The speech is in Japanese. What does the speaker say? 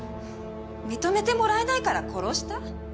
認めてもらえないから殺した？